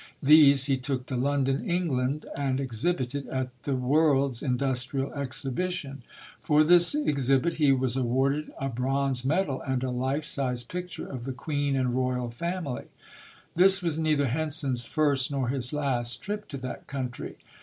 These he took to London, England, and exhibited at the World's Industrial Exhibition. For this exhibit 206 ] UNSUNG HEROES he was awarded a bronze medal and a life size picture of the Queen and royal family. This was neither Henson's first nor his last trip to that country.